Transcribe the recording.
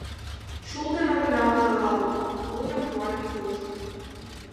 — Шулдын огына ужалалт! — мутым пуа Витюш.